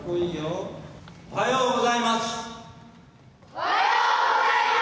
おはようございます。